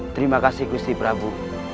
terima kasih gusti prabu